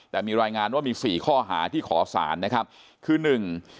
แต่มีรายงานว่ามีสี่ข้อหาที่ขอสารนะครับคือหนึ่ง